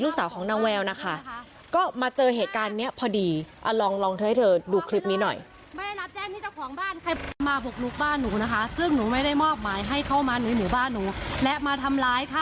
สาวของนางแววนะคะก็มาเจอเหตุการณ์นี้พอดีลองเธอให้เธอดูคลิปนี้หน่อย